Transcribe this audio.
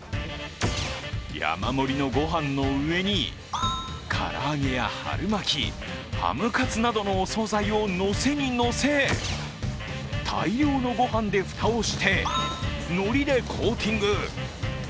山盛りのご飯の上に、唐揚げや春巻き、ハムカツなどのお総菜を乗せに乗せ、大量のご飯で蓋をしてのりでコーティング。